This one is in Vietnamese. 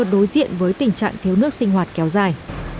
đối diện với tình trạng thiếu nước sinh hoạt kéo dài